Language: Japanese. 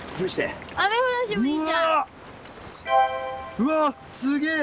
うわすげえ。